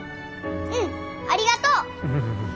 うんありがとう！